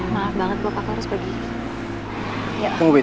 maaf banget bapak aku harus pergi